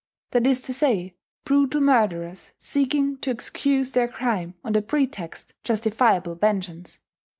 that is to say brutal murderers seeking to excuse their crime on the pretext justifiable vengeance.